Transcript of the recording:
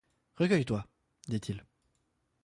Recueille-toi, dit-il.